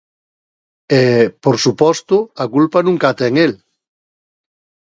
E, por suposto, a culpa nunca a ten el.